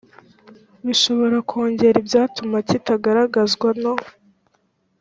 bishobora kongera ibyatuma kitagaragazwa no